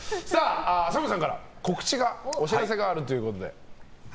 ＳＡＭさんからお知らせがあるということで。